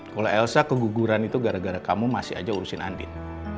kalau elsa keguguran itu gara gara kamu masih aja urusin andin